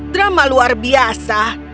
drama luar biasa